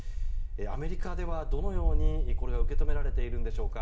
アメリカでは、どのように受け止められているんでしょうか。